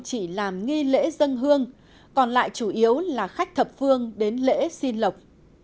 chỉ làm nghi lễ dân hương còn lại chủ yếu là khách thập phương đến lễ xin lộc